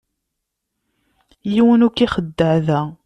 Yiwen ur k-ixeddeɛ da.